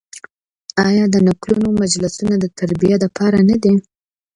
آیا د نکلونو مجلسونه د تربیې لپاره نه دي؟